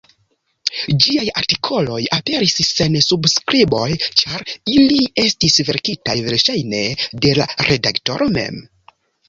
Ĝiaj artikoloj aperis sen subskriboj, ĉar ili estis verkitaj verŝajne de la redaktoro mem.